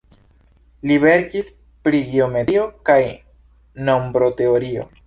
Li verkis pri geometrio kaj nombroteorio.